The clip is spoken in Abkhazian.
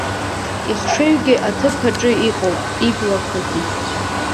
Ихшыҩгьы аҭыԥ аҿы иҟоуп, иблақәагьы!